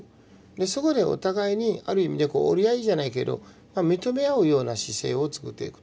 そこでお互いにある意味でこう折り合いじゃないけど認め合うような姿勢をつくっていくと。